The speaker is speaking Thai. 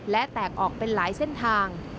และแตกออกเป็นหลายเส้นทาง